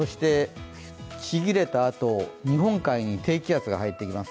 ちぎれたあと、日本海に低気圧が入ってきます。